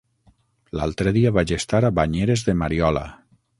L'altre dia vaig estar a Banyeres de Mariola.